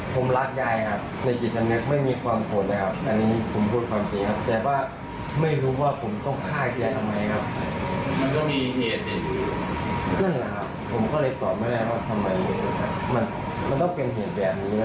ผมต้องฆ่ายังไงครับ